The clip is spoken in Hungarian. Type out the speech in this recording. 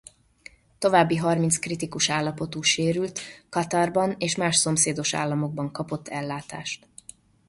További harminc kritikus állapotú sérült Katarban és más szomszédos államokban kapott ellátást.